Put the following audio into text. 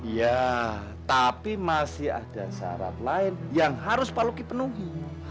ya tapi masih ada syarat lain yang harus pak lucky penuhi